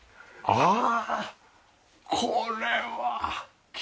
ああ！